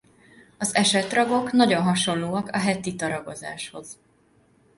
Az esetragok nagyon hasonlóak a hettita ragozáshoz.